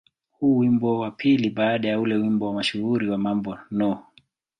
Huu ni wimbo wa pili baada ya ule wimbo mashuhuri wa "Mambo No.